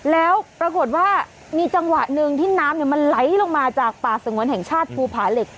แล้วปรากฏว่ามีจังหวะหนึ่งที่น้ำมันไหลลงมาจากป่าสงวนแห่งชาติภูผาเหล็ก